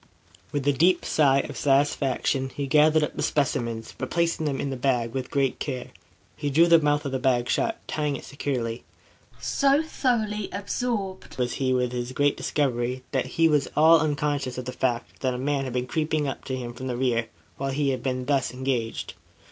With a deep sigh of satisfaction, he gathered up the specimens, replacing them in his bag with great care. He drew the mouth of the bag shut, tying it securely. So thoroughly absorbed was he with his great discovery, that he was all unconscious of the fact that a man had been creeping up to him from the rear while he had been thus engaged.